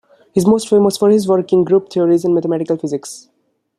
He is most famous for his work in group theory and mathematical physics.